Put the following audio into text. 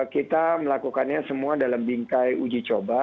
kita melakukannya semua dalam bingkai uji coba